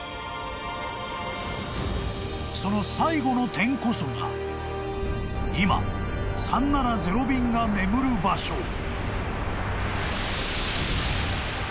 ［その最後の点こそが今３７０便が眠る場所］